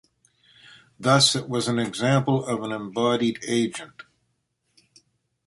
Thus it was an example of an embodied agent.